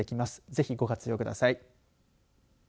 ぜひ、ご活用ください。